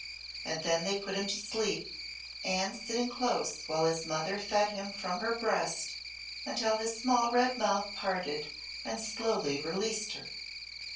And then they put him to sleep, Anne sitting close while his mother fed him from her breast until his small red mouth parted and slowly released her.